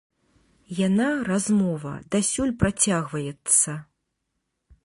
Яна, размова, дасюль працягваецца.